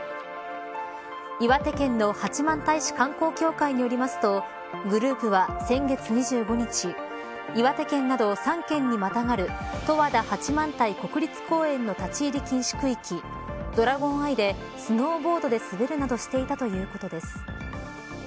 岩手県の八幡平市観光協会によりますとグループは先月２５日岩手県など３県にまたがる十和田八幡平国立公園の立ち入り禁止区域ドラゴンアイでスノーボードで滑るなどしていたということです。